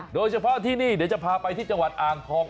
โดยเฉพาะที่นี่เดี๋ยวจะพาไปที่จังหวัดอ่างทอง